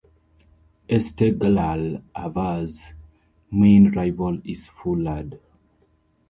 Esteghlal Ahvaz' main rival is Foolad.